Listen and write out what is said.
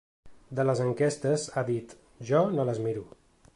De les enquestes ha dit: Jo no les miro.